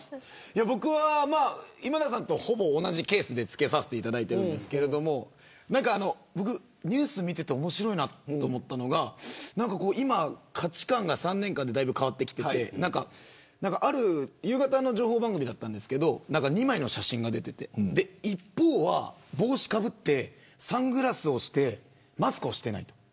僕は今田さんとほぼ同じケースですけどニュースを見ていて面白いと思ったのが価値観が３年間で変わってきて夕方の情報番組だったんですけど２枚の写真が出ていて一方は帽子をかぶってサングラスをしてマスクをしていない。